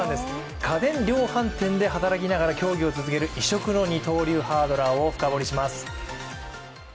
家電量販店で働きながら競技を続ける異色の二刀流ハードラーを深掘りします。